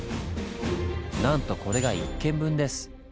なんとこれが１軒分です。